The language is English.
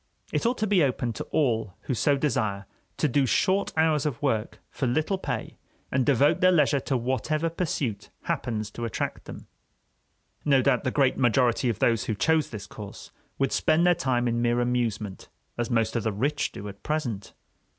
It ought to be open to all who so desire to do short hours of work for little pay, and devote their leisure to whatever pursuit happens to attract them. No doubt the great majority of those who chose this course would spend their time in mere amusement, as most of the rich do at present.